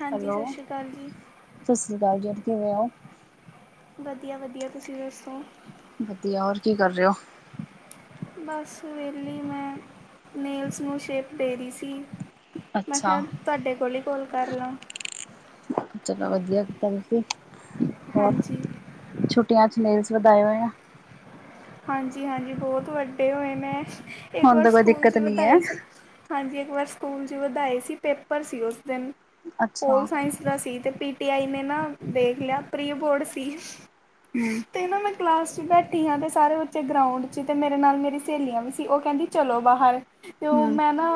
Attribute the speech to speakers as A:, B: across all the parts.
A: ਹਾਂਜੀ,
B: ਹੈਲੋ
A: ਸਤਿ ਸ਼੍ਰੀ ਅਕਾਲ ਜੀ।
B: ਸਤਿ ਸ੍ਰੀ ਅਕਾਲ ਜੀ, ਕਿਵੇਂ ਹੋ?
A: ਵਧੀਆ ਵਧੀਆ, ਤੁਸੀਂ ਦੱਸੋ?
B: ਵਧੀਆ, ਹੋਰ ਕੀ ਕਰ ਰੇ ਓ?
A: ਬਸ ਵੇਲੀ ਮੈਂ, ਨੇੇਲਜ਼ ਨੂੰ ਸ਼ੇਪ ਦੇ ਰੀ ਸੀ। ਮੈਂ ਖਿਆ,
B: ਅੱਛਾ
A: ਤੁਹਾਡੇ ਕੋਲ ਈ ਕੋਲ ਕਰ ਲਾਂ।
B: ਚਲੋ ਵਧੀਆ ਕੀਤਾ ਤੁਸੀਂ, ਹੋਰ?
A: ਹਾਂਜੀ
B: ਛੁੱਟੀਆਂ 'ਚ ਨੇੇਲਜ਼ ਵਧਾਏ ਹੋਏ ਆ?
A: ਹਾਂਜੀ-ਹਾਂਜੀ ਬੋਤ ਵੱਡੇ ਹੋਏ, ਮੈਂ ਇੱਕ
B: ਹੁਣ
A: ਵਾਰ
B: ਤਾਂ ਕੋਈ
A: ਸਕੂਲ 'ਚ
B: ਦਿੱਕਤ ਨਹੀਂ ਹੈ।
A: ਵਧਾਏ ਸੀ। ਹਾਂਜੀ ਇੱਕ ਵਾਰ ਸਕੂਲ 'ਚ ਵਧਾਏ ਸੀ ਪੇਪਰ ਸੀ ਉਸ ਦਿਨ,
B: ਅੱਛਾ
A: ਪੋਲ ਸਾਇੰਸ ਦਾ ਸੀ ਤੇ ਪੀਟੀ ਆਈ ਨੇ ਨਾ ਦੇੇਖ ਲਿਆ, ਪ੍ਰੀ ਬੋਰਡ ਸੀ
B: ਹਮ
A: ਤੇ ਨਾ ਮੈਂ ਕਲਾਸ 'ਚ ਬੈਠੀ ਆ ਤੇ ਸਾਰੇ ਬੱਚੇ ਗਰਾਊਂਡ 'ਚ, ਤੇ ਮੇਰੇ ਨਾਲ ਮੇਰੀ ਸਹੇਲੀਆਂ ਵੀ ਸੀ ਓ ਕੈਂਦੀ ਚਲੋ ਬਾਹਰ। ਤੇ ਓ
B: ਹਮ
A: ਮੈਂ ਨਾ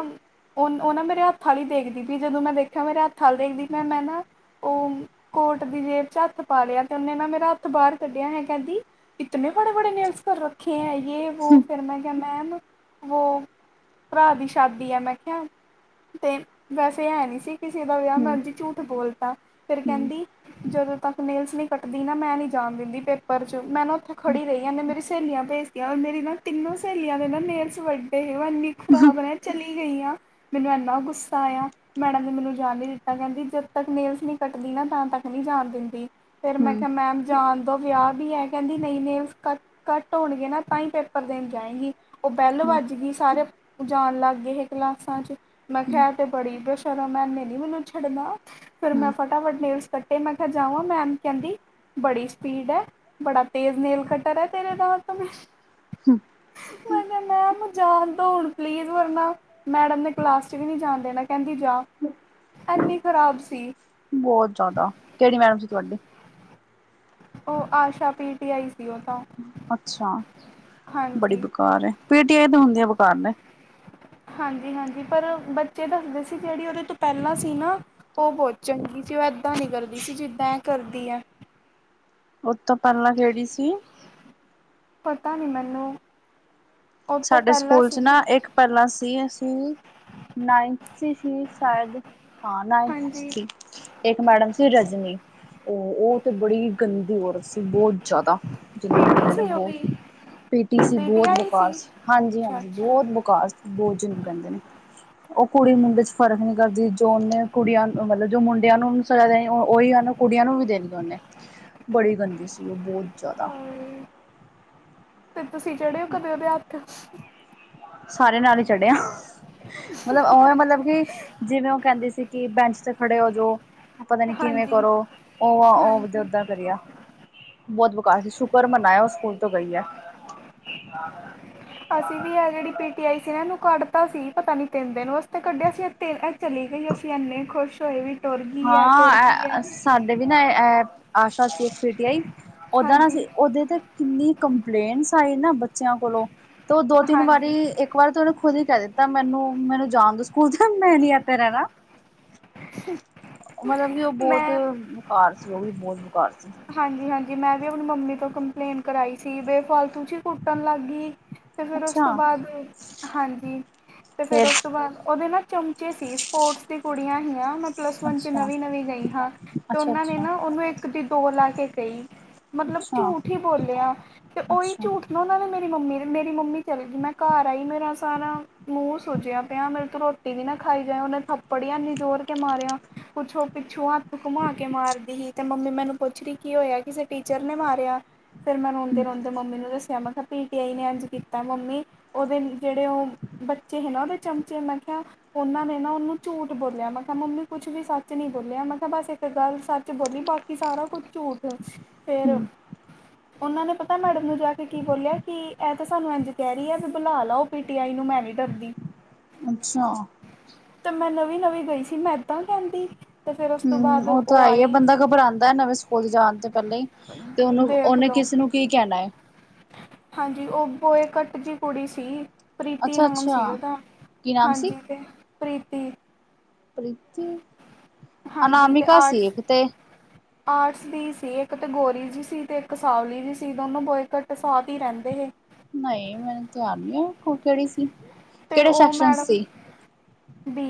A: ਓ-ਓ ਨਾ ਮੇਰੇ ਹੱਥ ਆਲੀ ਦੇਖਦੀ ਵੀ, ਜਦੋਂ ਮੈਂ ਦੇਖਿਆ ਮੇਰੇ ਹੱਥ ਅਲ ਦੇਖਦੀ ਤੇ ਮੈਂ ਨਾ ਓ ਕੋਟ ਦੀ ਜੇਬ 'ਚ ਹੱਥ ਪਾ ਲਿਆ ਤੇ ਓਨੇ ਨਾ ਮੇਰਾ ਹੱਥ ਬਾਰ ਕੱਢਿਆ, ਐ ਕੈਂਦੀ ਇਤਨੇ ਬੜੇ-ਬੜੇ ਨੇਲਸ ਕਰ ਰੱਖੇ ਐ, ਯੇ, ਵੋ, ਫਿਰ ਮੈਂ ਕਿਆ ਮੈਮ ਵੋ ਭਰਾ ਦੀ ਸ਼ਦੀ ਆ ਮੈਂ ਕਿਆ, ਤੇ ਵੈਸੇ ਹੈ ਨੀ ਸੀ। ਕਿਸੇ ਦਾ ਵਿਆਹ ਮੈਂ
B: ਹਮ ਹਮ
A: ਉਂਜ ਈ ਝੂਠ ਬੋਲਤਾ, ਫੇਰ
B: ਹਮ
A: ਕੈਂਦੀ ਜਦੋਂ ਤੱਕ ਨੇਲਸ ਨੀ ਕੱਟਦੀ ਨਾ ਮੈਂ ਨੀ ਜਾਣ ਦਿੰਦੀ ਪੇਪਰ 'ਚ, ਮੈਂ ਨਾ ਉੱਥੇ ਖੜੀ ਰਈ, ਐਨੇ ਮੇਰੀ [unintelligible] ਸੇਲੀਆਂ ਭੇਜਤੀਆਂ ਔਰ ਮੇਰੀ ਨਾ ਤਿੰਨੋ ਸੇਲੀਆਂ ਦੇ ਨਾ ਨੇਲਸ ਵੱਡੇ, ਓ ਇੰਨੀ ਖਰਾਬ ਨੇ ਚਲੀ ਗਈਆਾ, ਮੈਨੂੰ ਐਨਾ ਗੁੱਸਾ ਆਇਆ। ਮੈਡਮ ਨੇ ਮੈਨੂੰ ਜਾਣ ਨੀ ਦਿੱਤਾ, ਕੈਂਦੀ ਜਦ ਤੱਕ ਨੇੇਲਸ ਨੀ ਕੱਟਦੀ ਨਾ, ਤਾਂ ਤੱਕ ਨੀ ਜਾਣ ਦਿੰਦੀ। ਫੇਰ ਮੈਂ ਕਿਆ
B: ਹਮ
A: ਮੈਮ ਜਾਣ ਦੋ ਵਿਆਹ ਵੀ ਐ, ਕੈਂਦੀ ਨਈ ਨੇਲਸ ਕ ਘਟ ਹੋਣਗੇ ਨਾ ਤਾਂ ਈ ਪੇਪਰ ਦੇਣ ਜਾਏਗੀ ਓ ਬੈਲ ਵਜਗੀ ਸਾਰੇ ਜਾਣ ਲਾਗੇ ਏਹ ਕਲਾਸਾਂ ਚ। ਮੈਂ
B: ਹਮ
A: ਖਿਆ ਐ ਤੇ ਬੜੀ ਬੇਸ਼ਰਮ ਐ ਐਨੇ ਨੀ ਮੈਨੂੰ ਛੱਡਣਾ ਫੇਰ ਮੈਂ
B: ਹਮ ਹਮ
A: ਫਟਾਫਟ ਨੇਲਸ ਕਟੇ ਮੈਂ ਖਿਆ ਜਾਵਾਂ ਮੈਮ ਕੈਂਦੀ ਬੜੀ ਸਪੀਡ ਐ ਬੜਾ ਤੇਜ਼ ਨੇਲ ਕਟਰ ਐ ਤੇਰੇ ਦਾ ਤਾਂ ਮੈਂ
B: ਹੂੰ।
A: ਮੈਂ ਕਿਆ ਮੈਂਮ ਜਾਣ ਦੋ ਹੁਣ ਪਲੀਜ਼ ਵਰਨਾ ਮੈਡਮ ਨੇ ਕਲਾਸ ਚ ਵੀ ਨੀ ਜਾਣ ਦੇਣਾ ਕੈਂਦੀ ਜਾ ਐਨੀ ਖ਼ਰਾਬ ਸੀ।
B: ਬੋਤ ਜਾਦਾ ਕੇੜੀ ਮੈਮ ਸੀ ਤੁਹਾਡੀ?
A: ਓ ਆਸ਼ਾ ਪੀ ਟੀ ਆਈ ਸੀ ਓ ਤਾਂ।
B: ਅੱਛਾ ਬੜੀ
A: ਹਾਂਜੀ
B: ਬੁਕਾਰ ਐ ਪਿਟੀ ਏ ਤੇ ਹੁੰਦੀ ਆ ਬੁਕਾਰ ਨੇ।
A: ਹਾਂਜੀ ਹਾਂਜੀ ਪਰ ਬੱਚੇ ਦੱਸਦੇ ਸੀ ਜੇੜੀ ਓਦੇ ਤੋਂ ਪੈਲਾਂ ਸੀ ਨਾ ਓ ਬੋਤ ਚੰਗੀ ਸੀ ਓ ਏਦਾਂ ਨੀ ਕਰਦੀ ਸੀ ਜਿੱਦਾਂ ਐ ਕਰਦੀ ਐ।
B: ਓਤੋ ਪੈਲਾ ਕੇੜੀ ਸੀ?
A: ਪਤਾ ਨੀ ਮੈਨੂੰ। ਉਹ ਤੋਂ
B: ਸਾਡੇ
A: ਪਹਿਲਾਂ
B: ਸਕੂਲ
A: ਸੀ
B: ਚ
A: ਜੀ।
B: ਨਾ ਇੱਕ ਪੈਲਾਂ ਸੀ ਅਸੀਂ ਨਾਈਨਥ ਚ ਸੀ ਸ਼ਾਇਦ ਹਾਂ ਨਾਈਨਥ ਚ
A: ਹਾਂਜੀ,
B: ਸੀ। ਏਕ ਮੈਡਮ ਸੀ ਰਜਨੀ ਓ ਓ ਤੇ ਬੜੀ ਗੰਦੀ ਔਰਤ ਸੀ ਬੋ ਜਾਦਾ ਜਿੰਨੀ
A: ਪੀਟੀ
B: ਕੈਂਦੇ
A: ਸੀ
B: ਨੇ
A: ਉਹ ਵੀ
B: ਬੋਤ ਪੀਟੀ ਸੀ ਬੋਤ ਬੁਕਾਰ ਸੀ ਹਾਂਜੀ ਹਾਂਜੀ ਬੋਤ ਬੁਕਾਰ ਸੀ ਬੋ ਜਿਨੂੰ ਕੈਂਦੇ ਨੇ। ਓ ਕੁੜੀ ਮੁੰਡੇ ਚ ਫਰਕ ਨੀ ਕਰਦੀ ਜੋ ਓਨੇ ਕੁੜੀਆਂ ਮਤਲਬ ਜੋ ਮੁੰਡਿਆਂ ਨੂੰ ਸਜਾ ਦੇਣੀ ਓ ਓਈ ਓਨੇ ਕੁੜੀਆਂ ਨੂੰ ਵੀ ਦੇਨੀ ਓਨੇ ਬੜੀ ਗੰਦੀ ਸੀ ਓ ਬੋ ਜਾਦਾ।
A: ਹੋਰ ਤੇ ਤੁਸੀਂ ਚੜਿਓ ਕਦੇ ਓਦੇ ਹੱਥ?
B: ਸਾਰਿਆਂ ਨਾਲ ਈ ਚੜ੍ਹਿਆ। ਮਤਲਬ ਓਵੇਂ ਮਤਲਬ ਕੀ ਜਿਵੇਂ ਓ ਕੈਂਦੀ ਸੀ ਕੀ ਬੈਂਚ ਤੇ ਖੜੇ ਹੋ ਜੋ। ਪਤਾ ਨੀ ਕਿਵੇਂ
A: ਹਾਂਜੀ,
B: ਕਰੋ ਓ ਆ ਓ ਓਦਾ
A: ਹਾਂਜੀ।
B: ਓਦਾਂ ਕਰਿਆ। ਬੋਤ ਬਕਾਰ ਸੀ ਸ਼ੁਕਰ ਮਨਾਇਆ ਓ ਸਕੂਲ ਤੋਂ ਗਈ ਐ। [unintelligible]
A: ਅਸੀਂ ਵੀ ਆ ਜੇੜੀ ਪੀ ਟੀ ਆਈ ਸੀ ਨਾ ਏਨੂੰ ਕੱਢਤਾ ਸੀ ਪਤਾ ਨੀ ਤਿੰਨ ਦਿਨ ਵਾਸ ਤੇ ਕੱਢਿਆ ਅਸੀਂ ਤੇ ਐ ਚਲੀ ਗਈ ਅਸੀਂ ਇੰਨੇ ਖੁਸ਼ ਹੋਏ ਵੀ ਟੁਰ ਗਈ ਐ ਟੁਰ ਗਈ ਐ।
B: ਹਾਂ ਸਾਡੇ ਵੀ ਨਾ ਆਸਾ਼ ਇੱਕ ਪਟੀਆਈ ਓਦਾਂ ਨਾ
A: ਹਾਂਜੀ।
B: ਸੀ ਉਹਦੇ ਤੇ ਕਿੰਨੀ ਕੰਪਲੇਂਟਸ ਆਈ ਨਾ ਬੱਚਿਆਂ ਕੋਲੋਂ ਤੇ ਦੋ ਤਿੰਨ ਵਾਰੀ
A: ਹਾਂਜੀ,
B: ਇੱਕ ਇੱਕ ਵਾਰ ਤੇ ਉਹਨੇ ਖੁਦ ਹੀ ਕਹਿ ਦਿੱਤਾ ਮੈਨੂੰ ਮੈਨੂੰ ਜਾਣ ਦ ਸਕੂਲ ਮੈਂ ਨੀ ਏਥੇ ਰਹਿਣਾ
A: [unintelligible]
B: ਮਤਲਬ ਕਿ ਉਹ ਬਹੁਤ
A: ਮੈਂ
B: ਬੇਕਾਰ ਸੀ ਉਹ ਵੀ ਬਹੁਤ ਬੇਕਾਰ ਸੀ
A: ਹਾਂਜੀ ਹਾਂਜੀ ਮੈਂ ਵੀ ਆਪਣੀ ਮੰਮੀ ਤੋਂ ਕੰਪਲੇਂਟ ਕਰਾਈ ਸੀ ਬੇਫਾਲਤੂ ਚ ਹੀ ਕੁੱਟਣ ਲੱਗ ਗਈ ਤੇ ਫਿਰ ਉਸ ਤੋਂ
B: ਅੱਛਾ
A: ਬਾਅਦ ਹਾਂਜੀ ਤੇ ਫੇਿਰ
B: ਫੇਰ
A: ਉਸ ਤੋਂ ਬਾਦ ਉਹਦੇ ਨਾ ਚਮਚੇ ਸੀ ਸਪੋਰਟਸ ਦੀ ਕੁੜੀਆਂ ਹੀਆਂ ਮਤ ਪਲੱਸ ਵਨ ਚ
B: ਅੱਛਾ
A: ਨਵੀਂ ਨਵੀਂ ਗਈ ਹਾਂ ਤੇ
B: ਅੱਛਾ
A: ਉਹਨਾਂ ਨੇ
B: ਅੱਛਾ
A: ਨਾ ਉਹਨੂੰ ਇੱਕ ਟਿ ਲਾ ਕੇ ਗਈ ਮਤਲਬ
B: ਅੱਛਾ,
A: ਝੂਠ ਹੀ ਬੋਲਿਆ ਤੇ ਉਹੀ
B: ਅੱਛਾ,
A: ਝੂਠ ਨੋ ਉਹਨਾਂ ਨੇ ਮੇਰੀ ਮੰਮੀ ਮੇਰੀ ਮੰਮੀ ਚਲੇ ਗਈ ਮੈਂ ਘਰ ਆਈ ਮੇਰਾ ਸਾਰਾ ਮੂੰਹ ਸੁੂਜਿਆ ਪਿਆ ਮੇਰੇ ਤੋ ਰੋਟੀ ਵੀ ਨਾ ਖਾਈ ਜਾਏ ਉਹਨੇ ਥੱਪੜ ਇਨੀ ਜੋਰ ਕੇ ਮਾਰਿਆ ਕੁੱਛ ਉਹ ਪਿੱਛੋਂ ਹੱਥ ਘੁੰਮਾ ਕੇ ਮਾਰਦੀ ਸੀ ਤੇ ਮੰਮੀ ਮੈਨੂੰ ਪੁੱਛ ਰਹੀ ਕੀ ਹੋਇਆ ਕਿਸੇ ਟੀਚਰ ਨੇ ਮਾਰਿਆ ਫੇਰ ਮੈਂ ਰੋਂਦੇ
B: ਹੂੰ,
A: ਰੋਂਦੇ ਮੰਮੀ ਨੂੰ ਦਸ ਆ ਮੈਂ ਕਿਹਾ ਪੀਟੀ ਆਈ ਨੇ ਅੱਜ ਕੀਤਾ ਮੰਮੀ ਉਹਦੇ ਜਿਹੜੇ ਉਹ ਬੱਚੇ ਨਾ ਉਹਦੇ ਚਮਚੇ, ਮੈਂ ਕਿਹਾ ਉਹਨਾਂ ਨੇ ਨਾ ਉਹਨੂੰ ਝੂਠ ਬੋਲਿਆ, ਮੈਂ ਕਿਹਾ ਮੰਮੀ ਕੁੱਛ ਵੀ ਸੱਚ ਨੀ ਬੋਲਿਆ, ਮੈਂ ਕਿਹਾ ਬਸ ਤੇ ਗੱਲ ਸੱਚ ਬੋਲੀ, ਬਾਕੀ ਸਾਰਾ ਕੁੱਝ ਝੂਠ, ਫੇਰ
B: ਹੂੰ,
A: ਉਹ ਨੇ ਪਤਾ ਮੈਡਮ ਨੂੰ ਜਾ ਕੇ ਕੀ ਬੋਲਿਆ ਕਿ ਇਹ ਤਾਂ ਸਾਨੂੰ ਇੰਜ ਕਹਿ ਰਹੀ ਹੈ, ਬੁਲਾ ਲਾਓ ਪੀ ਟੀ ਆਈ ਨੂੰ, ਮੈਂ ਨੀ ਡਰਦੀ [inaudible]
B: ਅੱਛਾ
A: ਤੇ ਮੈਂ ਨਵੀਂ-ਨਵੀਂ ਗਈ ਸੀ ਮੈਂ ਏਦਾਂ ਕਹਿੰਦੀ ਤੇ ਫਿਰ ਉਸ ਤੋਂ
B: ਹਮ
A: ਬਾਅਦ
B: ਉਹ ਤਾਂ ਹੈ ਹੀ,
A: ਆਈ
B: ਬੰਦਾ ਘਬਰਾਉਂਦਾ ਨਵੇਂ ਸ ਸਕੂਲ ਜਾਣ ਤੇ ਪਹਿਲਾਂ ਹੀ ਤੇ ਉਹਨੂੰ,
A: ਦੇਖ
B: ਉਹਨੇ
A: ਲਓ
B: ਕਿਸੇਨੂੰ ਕੀ ਕਹਿਣਾ ਹੈ
A: ਹਾਂਜੀ ਉਹ ਬੋਏ ਕੱਟ ਜਿਹੀ ਕੁੜੀ ਸੀ ਪ੍ਰੀਤੀ
B: ਅੱਛਾ,
A: ਨਾਮ ਸੀ
B: ਅੱਛਾ
A: ਉਹਦਾ,
B: ਕੀ ਨਾਮ ਸੀ?
A: ਹਾਂਜੀ ਤੇ, ਪ੍ਰੀਤੀ
B: ਪ੍ਰੀਤੀ,
A: ਹਾਂਜੀ ਤੇ
B: ਅਨਾਮਿਕਾ ਸੀ
A: ਆਰਟਸ
B: ਇਕ ਤੇ
A: ਆਰਟਸ ਦੀ ਸੀ ਇੱਕ ਤੇ ਗੋਰੀ ਜਿਹੀ ਸੀ ਤੇ ਇੱਕ ਸਾਵਲੀ ਜਿਹੀ ਸੀ ਦੋਨੋ ਬੋਏ ਕਟ ਸਾਥ ਹੀ ਰਹਿੰਦੇ ਸੀ
B: ਨਹੀਂ ਮੈਨੂੰ ਧਿਆਨ ਨੀ ਔ ਕਿਹੜੀ ਸੀ
A: ਤੇ
B: ਕਿਹੜੇ
A: ਉਹ
B: ਸੈਕਸ਼ਨ 'ਚ
A: ਮੈਡਮ
B: ਸੀ
A: ਬੀ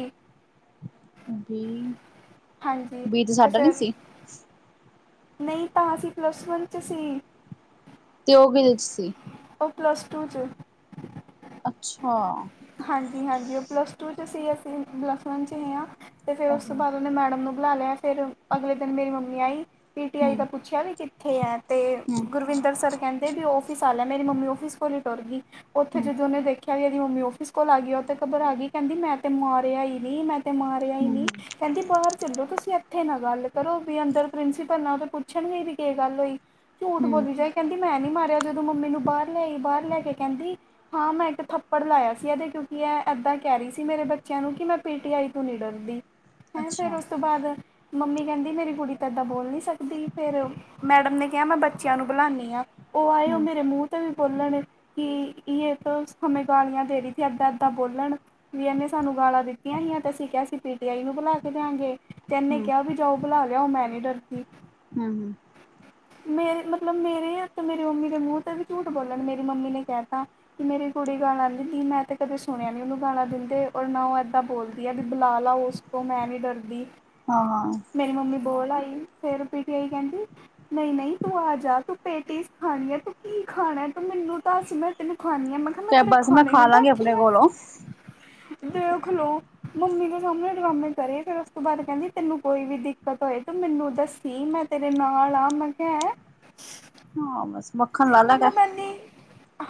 B: ਬੀ,
A: ਹਾਂਜੀ
B: ਬੀ 'ਚ
A: ਤੇ
B: ਸਾਡਾ ਨੀ
A: ਫਿਰ
B: ਸੀ
A: ਨਹੀਂ ਤਾਂ ਅਸੀਂ ਪਲੱਸ ਵਨ 'ਚ ਸੀ
B: ਤੇ ਓ ਕਿਦੇ 'ਚ ਸੀ
A: ਉਹ ਪਲੱਸ ਟੂ 'ਚ
B: ਅੱਛਾ
A: ਹਾਂਜੀ-ਹਾਂਜੀ ਉਹ ਪਲੱਸ ਟੂ 'ਚ ਸੀ ਅਸੀਂ ਪਲੱਸ ਵਨ 'ਚ ਹੈਆਂ ਤੇ ਫਿਰ ਉਸ ਤੋਂ
B: ਹੂੰ,
A: ਬਾਅਦ ਉਹਨੇ ਮੈਡਮ ਨੂੰ ਬੁਲਾ ਲਿਆ ਫਿਰ, ਅਗਲੇ ਦਿਨ ਮੇਰੀ ਮੰਮੀ ਆਈ, ਪੀਟੀ ਆਈ ਦਾ ਪੁੱਛਿਆ ਵੀ ਕਿੱਥੇ ਆ, ਤੇ
B: ਹਮ
A: ਪਰਵਿੰਦਰ ਸਰ ਕਹਿੰਦੇ ਔਫਿਸ ਆਜਾ, ਮੇਰੀ ਮੰਮੀ ਆਫਿਸ ਕੋਲੀ ਟੁਰਗੀ ਉੱਥੇ
B: ਹੂੰ,
A: ਜਦੋਂ ਉਹਨੇ ਦੇਖਿਆ ਕਿ ਇਹਦੀ ਮੰਮੀ ਆਫਿਸ ਕੋਲ ਆ ਗਈ ਉਹ ਤੇ ਘਬਰਾ ਗਈ ਕਹਿੰਦੀ ਮੈਂ ਤੇ ਮਾਰਿਆ ਹੀ ਨੀ ਮੈਂ ਤੇ ਮਾਰਿਆ ਹੀ
B: ਹੂੰ,
A: ਨੀ ਕਹਿੰਦੀ ਬਾਹਰ ਚੱਲੋ ਤੁਸੀਂ ਇੱਥੇ ਨਾ ਗੱਲ ਕਰੋ ਵੀ ਅੰਦਰ ਪ੍ਰਿੰਸੀਪਲ ਓ ਤਾਂ ਪੁੱਛਣਗੇ ਵੀ ਕੀ ਗੱਲ ਹੋਈ ਝੂਠ
B: ਹੂੰ।
A: ਬੋਲੀ ਜਾਈ ਕਹਿੰਦੀ ਮੈਂ ਨੀ ਮਾਰਿਆ, ਜਦੋਂ ਮੰਮੀ ਨੂੰ ਬਾਹਰ ਲਿਆਈ, ਬਾਹਰ ਲੈ ਕੇ ਕਹਿੰਦੀ ਹਾਂ ਮੈਂ ਇੱਕ ਥੱਪੜ ਲਾਇਆ ਸੀ ਇਹਦੇ ਕਯੋਂਕੀ ਐ ਏਦਾਂ ਕਹਿ ਰਹੀ ਸੀ ਮੇਰੇ ਬੱਚਿਆਂ ਨੂੰ ਕਿ ਮੈਂ ਪੀ ਟੀ ਆਈ ਤੋਂ ਨੀ ਡਰਦੀ ਹੈਂ,
B: ਅੱਛਾ,
A: ਫਿਰ ਉਸ ਤੋਂ ਬਾਦ ਮੰਮੀ ਕਹਿੰਦੀ ਮੇਰੀ ਕੁੜੀ ਤਾਂ ਇੱਦਾਂ ਬੋਲ ਨੀ ਸਕਦੀ ਫਿਰ ਮੈਡਮ ਨੇ ਕਿਹਾ ਮੈਂ ਬੱਚਿਆਂ ਨੂੰ ਬੁਲਾਉਦੀ ਹਾਂ ਉਹ ਆਏ ਉਹ
B: ਹੂੰ,
A: ਮੇਰੇ ਮੂੰਹ ਤੇ ਵੀ ਬੋਲਣ ਕਿ ਯੇਹ ਤੋ ਹਂਮੇ ਗਾਲੀਆਂ ਦੇ ਰਹੀ ਏਦਾਂ-ਏਦਾਂ ਬੋਲਣ ਵੀ ਇਹਨੇ ਸਾਨੂੰ ਗਾਲਾਂ ਦਿੱਤੀਆਂ, ਤੇ ਅਸੀਂ ਕਿਹਾ ਸੀ ਪੀਟੀ ਆਈ ਨੂੰ ਬੁਲਾ ਕੇ ਲਿਆਂਵਾਂਗੇ ਤੇ ਇਹਨੇ
B: ਹੂੰ, ਹੂੰ,
A: ਕਿਹਾ, ਵੀ ਜਾਓ ਬੁਲਾ ਲਿਆਉ, ਮੈਂ ਨੀ ਡਰਦੀ।
B: ਹੂ ਹੂ।
A: ਮੇਰੇ ਮਤਲਬ, ਮੇਰੇ ਤੇ ਮੇਰੀ ਮੰਮੀ ਦੇ ਮੂੰਹ ਤੇ ਵੀ ਝੂਠ ਬੋਲਣ ਮੇਰੀ ਮੰਮੀ ਨੇ ਕਹਿਤਾ ਕਿ ਮੇਰੀ ਕੁੜੀ ਗਾਲਾ [unintelligible] ਕੱਢਦੀ ਮੈਂ ਤੇ ਕਦੇ ਸੁਣਿਆ ਨਹੀਂ ਉਹਨੂੰ ਗਾਲਾ ਦਿੰਦੇ, ਔਰ ਨਾ ਉਹ ਇੱਦਾਂ ਬੋਲਦੀ ਆ ਵੀ ਬੁਲਾ ਲੈ ਉਸਕੋ ਤੋਂ ਮੈਂ ਨਹੀਂ ਡਰਦੀ।
B: ਹਾਂ, ਹਾਂ।
A: ਮੇਰੀ ਮੰਮੀ ਬੋਲ ਆਈ, ਫੇਰ ਪੀ ਟੀ ਆਈ ਕਹਿੰਦੀ ਨਹੀਂ- ਨਹੀਂ ਤੂੰ ਆ ਜਾ ਤੂੰ ਪੇਟੀਸ ਖਾਣੀ ਏ, ਤੂੰ ਕੀ ਖਾਣਾ, ਤੂੰ ਮੈਨੂੰ ਦੱਸ ਮੈਂ ਤੈਨੂੰ ਖੁਆਣੀ ਆ, ਮੈ ਕਿਹਾ
B: ਕ
A: ਤੇਰੇ
B: ਬਸ ਮੈਂ
A: ਖਾਣੇ
B: ਖਾ
A: ਨੂੰ ਭ
B: ਲਾਂਗੀ ਆਪਣੇ ਕੋਲੋਂ
A: ਦੇਖ ਲੋ। ਮੰਮੀ ਦੇ ਸਾਹਮਣੇ ਡਰਾਮੇ ਕਰੇ, ਫੇਰ ਉਸ ਤੋਂ ਬਾਅਦ ਕਹਿੰਦੀ ਤੈਨੂੰ ਕੋਈ ਵੀ ਦਿੱਕਤ ਹੋਏ ਤੂੰ ਮੈਨੂੰ ਦੱਸੀ ਮੈਂ ਤੇਰੇ ਨਾਲ ਆ, ਮੈਂ ਕਿਹਾ ਐ
B: ਹਾਂ ਬਸ ਮੱਖਣ ਲਾ ਲਾ ਕ
A: ਮਤਲਬ ਐਨੀ,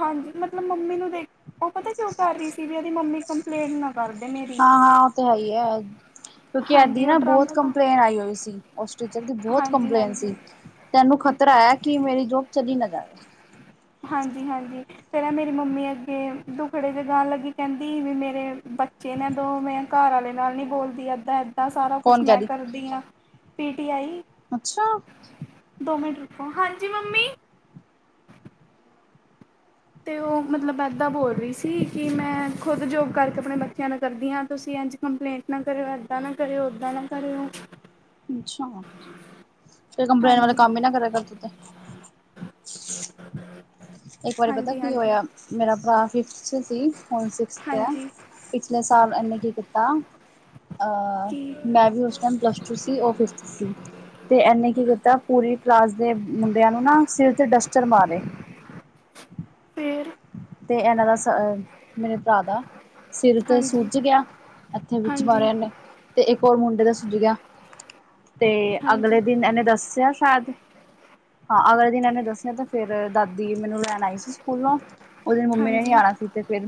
A: ਹਾਂਜੀ ਮਤਲਬ ਮੰਮੀ ਨੂੰ ਦੇਖ ਉਹ ਪਤਾ ਕਿਉਂ ਕਰ ਰਹੀ ਸੀ ਵੀ ਉਹਦੀ ਮੰਮੀ ਕੰਪਲੇਂਟ ਨਾ ਕਰਦੇ ਮੇਰੀ।
B: ਹਾਂ ਹਾਂ, ਉਹ ਤੇ ਹੈ ਹੀ ਐ। ਕਿਉਂਕਿ
A: ਹਾਂਜੀ
B: ਏਦੀ
A: ਉਹ
B: ਨਾ ਬਹੁਤ
A: ਡਰਾਮਾ ਤਾਂ
B: ਕੰਪਲੇਂਨ ਆਈ ਹੋਈ ਸੀ, ਉਸ ਟੀਚਰ ਦੀ ਬਹੁਤ
A: ਹਾਂਜੀ
B: ਕੰਪਲੇਂਨ
A: ਹਾਂਜੀ
B: ਸੀ। ਤੈਨੂੰ ਖ਼ਤਰਾ ਏ, ਕਿ ਮੇਰੀ ਜੋਬ ਚਲੀ ਨਾ ਜਾਵੇ।
A: ਹਾਂਜੀ ਹਾਂਜੀ। ਫੇਰ ਮੇਰੀ ਮੰਮੀ ਅੱਗੇ ਦੁਖੜੇ ਜੇ ਗਾਣ ਲੱਗੀ, ਕਹਿੰਦੀ ਵੀ ਮੇਰੇ ਬੱ ਬੱਚੇ ਨੇ ਦੋ, ਮੈਂ ਘਰ ਵਾਲੇ ਨਾਲ ਨਹੀਂ ਬੋਲਦੀ, ਇੱਦਾਂ ਇ ਏਦਾਂ ਸਾਰਾ ਕੁਛ
B: ਕੌਣ ਕਹਿ
A: ਮੈਂ
B: ਰਹੀ
A: ਕਰਦੀ ਆ, ਪੀ ਟੀ ਆਈ।
B: ਅੱਛਾ!
A: ਦੋ ਮਿੰਟ ਰੁਕੋ, ਹਾਂਜੀ ਮੰਮੀ। ਤੇ ਉਹ ਮਤਲਬ ਇਦਾਂ ਬੋਲ ਰਹੀ ਸੀ, ਕਿ ਮੈਂ ਖ਼ੁਦ ਜੋਬ ਕਰਕੇ ਆਪਣੇ ਬੱਚਿਆਂ ਨਾਲ ਕਰਦੀ ਹਾਂ। ਤੁਸੀਂ ਇੰਝ ਕੰਪਲੇਂਟ ਨਾ ਕਰਿਓ, ਏਦਾਂ ਨਾ ਕਰਿਓ, ਓਦਾਂ ਨਾ ਕਰਿਓ।
B: ਅੱਛਾ, ਤੇ ਕੰਪਲੇਨ ਵਾਲੇ
A: ਹਾਂਜੀ
B: ਕੰਮ ਹੀ ਨਾ ਕਰਿਆ ਕਰ ਤੂੰ ਤੇ। ਇੱਕ ਵਾਰੀ ਪਤਾ
A: ਹਾਂਜੀ
B: ਕੀ
A: ਹਾਂਜੀ
B: ਹੋਇਆ, ਮੇਰਾ ਭਰਾ ਫਿਫਥ ਚ ਸੀ, ਹੁਣ ਸਿਕਸਥ ਐ
A: ਹਾਂਜੀ
B: ਪਿਛਲੇ ਸਾਲ ਇਹਨੇ ਕੀ ਕੀਤਾ, ਅਹ
A: ਕੀ
B: ਮੈਂ ਵੀ ਉਸ ਮੈਂ ਪਲੱਸ ਟੂ ਸੀ, ਉਹ ਫਿਫਥ 'ਚ ਸੀ ਤੇ ਇਹਨੇ ਕੀ ਕੀਤਾ ਪੂਰੀ ਕਲਾਸ ਦੇ ਮੁੰਡਿਆਂ ਨੂੰ ਨਾ, ਸਿਰ ਤੇ ਡਸਟਰ ਮਾਰੇ
A: ਫਿਰ
B: ਤੇ ਇਹਨਾਂ ਦਾ, ਮੇਰੇ ਭਰਾ ਦਾ ਸਿਰ ਤੇ
A: ਹਾਂਜੀ
B: ਸੁਜ ਗਿਆ ਮੱਥੇ ਵਿੱਚ ਮਾਰਿਆ
A: ਹਾਂਜੀ
B: ਉਹਨੇ, ਤੇ ਇੱਕ ਹੋਰ ਮੁੰਡੇ ਦਾ ਸੁੱਜ ਗਿਆ। ਤੇ ਅਗਲੇ
A: ਹਾਂਜੀ
B: ਦਿਨ ਇਹਨੇ ਦੱਸਿਆ ਸ਼ਾਇਦ ਹਾਂ, ਅਗਲੇ ਦਿਨ ਇਹ ਨੇ ਦੱਸਿਆ ਤੇ ਫੇਰ ਦਾਦੀ ਮੈਨੂੰ ਲੈਣ ਆਈ ਸੀ ਸਕੂਲੋ ਉਸ ਦਿਨ ਮੰਮੀ ਨੇ ਨੀ
A: ਹਾਂਜੀ
B: ਆਣਾ ਸੀ, ਤੇ ਫਿਰ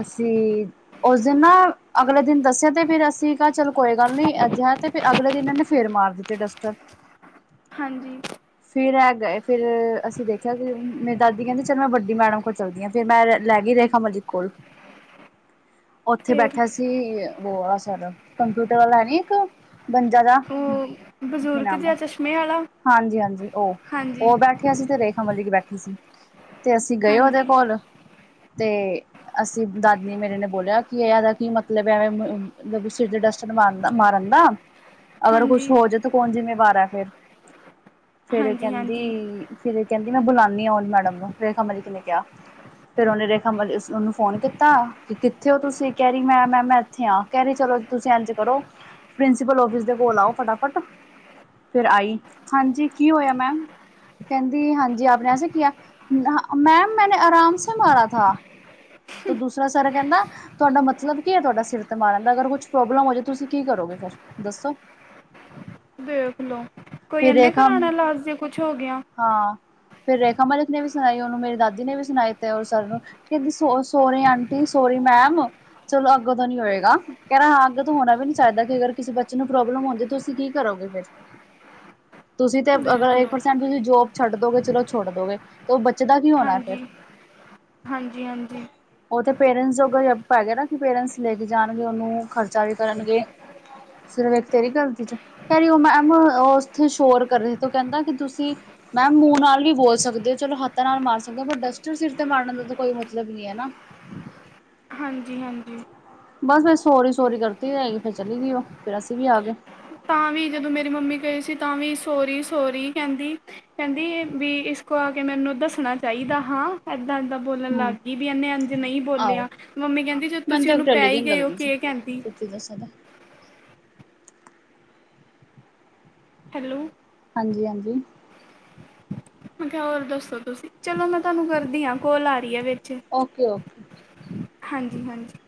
B: ਅਸੀਂ ਉਸ ਦਿਨ ਨਾ ਅਗਲੇ ਦਿਨ ਦੱਸਿਆ ਤੇ ਫਿਰ ਅਸੀਂ ਕਿਹਾ ਚਲੋ ਕੋਈ ਗੱਲ ਨੀ, ਅਜਿਹਾ ਤੇ ਫੇਰ ਅਗਲੇ ਦਿਨ ਇਹ ਨੇ ਫੇਰ ਮਾਰ ਦਿੱਤੇ ਡਸਟਰ
A: ਹਾਂਜੀ।
B: ਫੇਰ ਐ ਗਏ, ਫੇਰ ਅਸੀਂ ਦੇਖਿਆ ਕਿ ਮੇਰੀ ਦਾਦੀ ਕਹਿੰਦੀ ਚੱਲ ਮੈਂ ਵੱਡੀ ਮੈਡਮ ਚਲਦੀ ਆ, ਫ਼ਿਰ ਮੈਂ ਲੈ ਗਈ ਰੇਖਾ ਮਲਿਕ ਕੋਲ, ਉੱਥੇ
A: ਫਿਰ
B: ਬੈਠਾ ਸੀ ਵੋਰਾ ਸਰ, ਕੰਪਿਊਟਰ ਵਾਲਾ ਹੈ ਨੀ ਇੱਕ ਗੰਜਾ ਜਿਹਾ,
A: ਉਹ
B: ਕੀ
A: ਬਜ਼ੁਰਗ
B: ਨਾਮ ਆ,
A: ਜਿਹਾ ਚਸ਼ਮੇ ਵਾਲਾ
B: ਹਾਂਜੀ ਹਾਂਜੀ ਉਹ,
A: ਹਾਂਜੀ
B: ਉਹ ਬੈਠ ਬੈਠਿਆ ਸੀ ਤੇ ਰੇਖਾ ਮਲਿਕ ਬੈਠੀ ਸੀ, ਤੇ ਅਸੀਂ ਗਏ ਉਹਦੇ
A: ਹਾਂਜੀ
B: ਕੋਲ ਤੇ ਅਸੀਂ ਦਾਦੀ ਮੇਰੇ ਨੇ ਬੋਲਿਆ ਕਿ ਇਹਦਾ ਕੀ ਮਤਲਬ ਐ ਐਵੇਂ ਮਤਲਬ ਸਿਰ ਤੇ ਡਸਟਰ ਮਾਰਦਾ, ਮਾਰਨ ਦਾ।
A: [unintelligible]
B: ਅਗਰ ਕੁਛ ਹੋ ਜਾਏ ਤਾਂ ਕੌਣ ਜਿੰਮੇਵਾਰ ਐ ਫੇਰ, ਫੇਰ
A: ਹਾਂਜੀ
B: ਕਹਿੰਦੀ
A: ਹਾਂਜੀ
B: ਫਿਰ ਕਹਿੰਦੀ ਮੈਂ ਬੁਲਾਂਦੀ ਆ ਓ ਮੈਡਮ ਨੂੰ, ਰੇਖਾ ਮਲਿਕ ਨੇ ਕਿਹਾ। ਫੇਰ ਉਹਨੇ ਰੇਖਾ ਮਲਿਕ ਉਹਨੂੰ ਫੋਨ ਕੀਤਾ ਕਿ ਕਿੱਥੇ ਹੋ ਤੁਸੀਂ, ਕਹਿ ਰਹੀ ਮੈਂ ਮੈਮ ਇੱਥੇ ਆ। ਕਹਿ ਰਹੀ, ਚਲੋ ਤੁਸੀਂ ਇੰਜ ਕਰੋ ਪ੍ਰਿੰਸੀਪਲ ਆਫਿਸ ਦੇ ਕੋਲ ਆਓ ਫਟਾਫਟ। ਫੇਰ ਆਈ ਹਾਂਜੀ, ਕੀ ਹੋਇਆ ਮੈਮ। ਕਹਿੰਦੀ ਹਾਂਜੀ ਆਪ ਨੇ ਐਸੇ ਕਿਆ, ਮੈਮ ਮੈਂਨੇ ਆਰਾਮ ਸੇ ਮਾਰਾ ਥਾ। ਦੂਸਰਾ ਸਰ ਕਹਿਂਦਾ ਤੁਹਾਡਾ ਮਤਲਬ ਕੀ ਹੈ ਤੁਹਾਡਾ ਸਿਰ ਤੇ ਮਾਰਨ ਦਾ, ਅਗਰ ਕੁਛ ਪ੍ਰੋਬਲਮ ਹੋ ਜਾਵੇ, ਤੁਸੀਂ ਕੀ ਕਰੋਗੇ? ਦੱਸੋ?
A: ਦੇਖ ਲੋ, ਕੋਈ
B: ਫਿਰ
A: ਇਹਨੇ
B: ਰੇਖਾ
A: ਕਰਾਣਾ ਲਾਜ ਜੇ ਕੁਛ ਹੋ ਗਿਆ।
B: ਹਾਂ, ਫਿਰ ਰੇਖਾ ਮਲਿਕ ਨੇ ਵੀ ਸੁਣਾਈ ਹੋਣੀ। ਮੇਰੀ ਦਾਦੀ ਨੇ ਵੀ ਸੁਣਾਈ ਤੇ ਉਹ ਸਰ ਨੂੰ, ਕਹਿੰਦੀ ਸ ਸੋਰੀ ਆਂਟੀ, ਸੋਰੀ ਮੈਮ। ਚਲੋ, ਅੱਗੋਂ ਤੋਂ ਨੀ ਹੋਏਗਾ। ਕਹਿ ਣਾ ਅੱਗੇ ਤੋਂ ਹੋਣਾ ਵੀ ਨੀ ਚਾਹੀਦਾ, ਕਿ ਅਗਰ ਕਿਸੇ ਬੱਚੇ ਨੂੰ ਪ੍ਰੋਬਲਮ ਹੁੰਦੀ ਤੁਸੀਂ ਕੀ ਕਰੋਗੇ ਫੇਰ। ਤੁਸੀਂ ਤੇ
A: ਦੇਖ
B: ਅਗਰ ਇੱਕ
A: ਲਓ
B: ਪਰਸੈਂਟ ਜੋਬ ਛੱਡ ਦੋਗੇ ਚਲੋ ਛੱਡ ਦੋਗੇ, ਉਹ ਬੱਚੇ ਦਾ ਕੀ ਹੋਣਾ ਫੇਰ?
A: ਹਾਂਜੀ ਹਾਂਜੀ ਹਾਂਜੀ
B: ਉਹ ਤੇ ਪੇਰੈਂਟਸ ਜੋਗਾ ਯਾਭ ਪੈ ਗਿਆ ਨਾ, ਕਿ ਪੇਰੈਂਟਸ ਲੈ ਕੇ ਜਾਣਗੇ ਉਹਨੂੰ, ਖਰਚਾ ਵੀ ਕਰਨਗੇ। ਸਿਰਫ ਇਕ ਤੇਰੀ ਗਲਤੀ 'ਚ ਕੈਹਿ ਰੀ ਉ ਮੈਮ ਉਹ ਉੱਥੇ ਸ਼ੋਰ ਕਰ ਰਏ ਤੇ ਉਹ ਕਹਿੰਦਾ, ਕਿ ਤੁਸੀਂ ਮੈਮ ਮੂੰਹ ਨਾਲ ਨੀ ਬੋਲ ਸਕਦੇ। ਚਲੋ ਹੱਥ ਨਾਲ ਮਾਰ ਸਕਦਾ, ਪਰ ਡਸਟਰ ਸਿਰ ਤੇ ਮਾਰਨ ਦਾ ਤਾਂ ਕੋਈ ਮਤਲਬ ਨੀ ਹੈ ਨਾ।
A: ਹਾਂਜੀ, ਹਾਂਜੀ।
B: ਬਸ ਫਿਰ ਸੋਰੀ ਸੋਰੀ ਕਰਦੀ ਰਹੀ, ਫੇਰ ਚਲੀ ਗਈ ਉਹ, ਫੇਰ ਅਸੀਂ ਵੀ ਆ ਗਏ।
A: ਤਾਂ ਵੀ ਜਦੋਂ ਮੇਰੀ ਮੰਮੀ ਗਏ ਸੀ ਤਾਂ ਵੀ, ਸੋਹਰੀ ਸੋਹਰੀ ਕਹਿੰਦੀ। ਕਹਿੰਦੀ ਵੀ ਇਸ ਕੋ ਆ ਕੇ, ਮੈਨੂੰ ਦੱਸਣਾ ਚਾਹੀਦਾ ਹਾਂ। ਏਦਾਂ ਏਦਾਂ ਬੋਲਣ ਲੱਗ
B: ਹੂੰ।
A: ਗਈ, ਵੀ ਇਹਨੇ ਅੰਜ ਨਹੀਂ
B: ਆਹੋ
A: ਬੋਲਿਆ। ਮੰਮੀ ਕਹਿੰਦੀ ਜਦੋਂ ਤੁਸੀਂ ਉਹਨੂੰ ਪੈ ਹੀ ਗਏ ਹੋ, ਕੇ ਕਹਿੰਦੀ।
B: ਸਚੀ ਦੱਸਾ ਨਾ
A: ਹੈਲੋ।
B: ਹਾਂਜੀ, ਹਾਂਜੀ।
A: ਹੋਰ ਦੱਸੋ ਤੁਸੀਂ, ਚਲੋ ਮੈਂ ਤੁਹਾਨੂੰ ਕਰਦੀ ਹਾਂ ਕੋਲ ਆ ਰਹੀ ਹੈ ਵਿੱਚ।
B: ਓਕੇ ਓਕੇ
A: ਹਾਂਜੀ, ਹਾਂਜੀ।